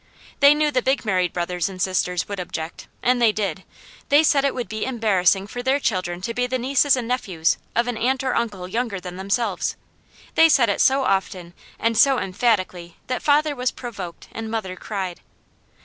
They knew the big married brothers and sisters would object, and they did. They said it would be embarrassing for their children to be the nieces and nephews of an aunt or uncle younger than themselves. They said it so often and so emphatically that father was provoked and mother cried.